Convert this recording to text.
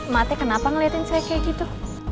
mak teh kenapa ngeliatin saya kayak gitu